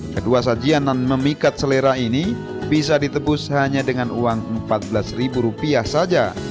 kedua sajianan memikat selera ini bisa ditebus hanya dengan uang rp empat belas saja